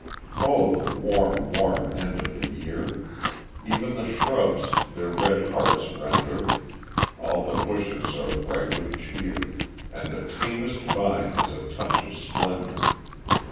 O the warm, warm end of the year! Even the shrubs their red hearts render; All the bushes are bright with cheer And the tamest vine has a touch of splendor.